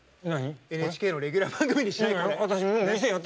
ＮＨＫのレギュラー番組にしないかって。